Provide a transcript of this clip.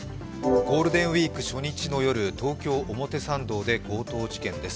ゴールデンウイーク初日の夜、東京・表参道で強盗事件です。